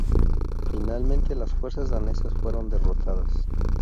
Finalmente, las fuerzas danesas fueron derrotadas.